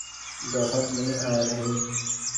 گاہک نہیں آرہے۔